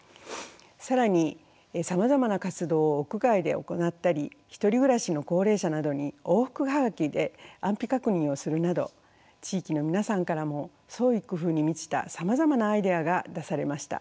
更にさまざまな活動を屋外で行ったり独り暮らしの高齢者などに往復はがきで安否確認をするなど地域の皆さんからも創意工夫に満ちたさまざまなアイデアが出されました。